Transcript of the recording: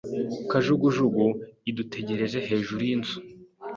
Kajugujugu idutegereje hejuru yinzu.